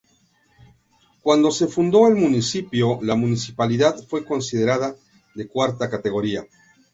Cuando se fundó el municipio, la municipalidad fue considerada de cuarta categoría.